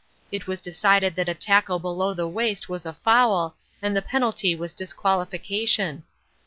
It was decided that a tackle below the waist was a foul and the penalty was disqualification.